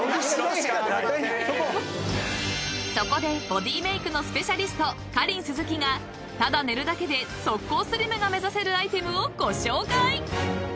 ［そこでボディーメークのスペシャリストＫａｒｉｎＳｕｚｕｋｉがただ寝るだけで即効スリムが目指せるアイテムをご紹介］